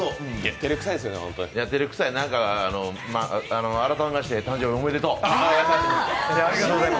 照れくさい、改めまして誕生日おめでとう。